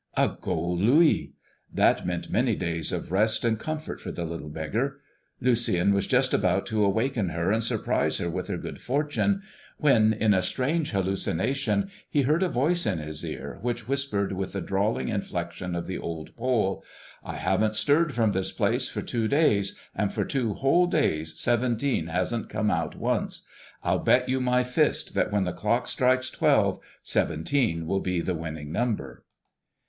A gold louis! That meant many days of rest and comfort for the little beggar. Lucien was just about to awaken her and surprise her with her good fortune when, in a strange hallucination, he heard a voice in his ear, which whispered with the drawling inflection of the old Pole: "I haven't stirred from this place for two days, and for two whole days seventeen hasn't come out once. I'll bet you my fist that when the clock strikes twelve, seventeen will be the winning number."